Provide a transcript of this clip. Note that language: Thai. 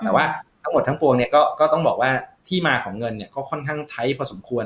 แต่ว่าทั้งหมดทั้งปวงเนี่ยก็ต้องบอกว่าที่มาของเงินเนี่ยก็ค่อนข้างไทยพอสมควร